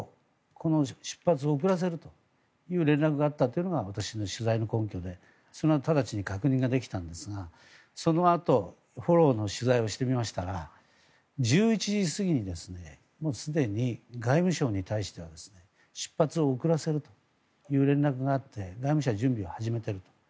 この出発を後らせるという連絡があったというのが私の取材の根拠でそれは直ちに確認ができたんですがそのあとフォローの取材をしてみましたら１１時過ぎにすでに外務省に対しては出発を遅らせるという連絡があって外務省は準備を始めていたんです。